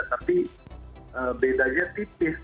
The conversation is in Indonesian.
tapi bedanya tipis